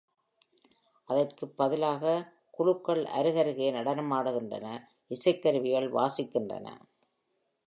அதற்கு பதிலாக, குழுக்கள் அருகருகே நடனமாடுகின்றன, இசைக்கருவிகள் வாசிக்கின்றன.